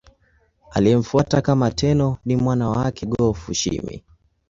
Aliyemfuata kama Tenno ni mwana wake Go-Fushimi.